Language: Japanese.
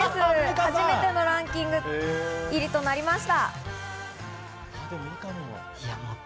初めてのランキング入りとなりました。